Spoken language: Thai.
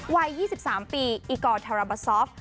วัย๒๓ปีอิกอร์ทาราบาซอฟ